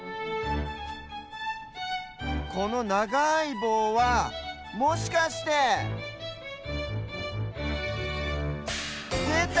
このながいぼうはもしかしてでた！